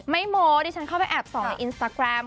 โม้ดิฉันเข้าไปแอบส่องในอินสตาแกรม